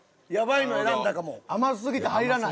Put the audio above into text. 意外と甘すぎて入らない。